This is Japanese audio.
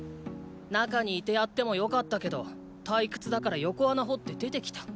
中にいてやってもよかったけど退屈だから横穴掘って出てきた。